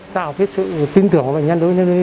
tạo cái sự tin tưởng của bệnh nhân